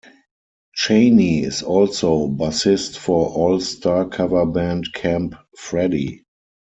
Chaney is also bassist for all-star cover band Camp Freddy.